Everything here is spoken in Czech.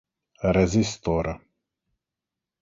Rezistor